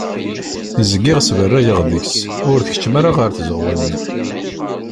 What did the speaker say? Zgiɣ sberrayeɣ deg-s ur tkeččem ara ɣer tzeɣwa-nni.